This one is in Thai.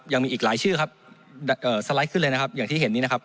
ยังมีอีกหลายชื่อครับสไลด์ขึ้นเลยนะครับอย่างที่เห็นนี้นะครับ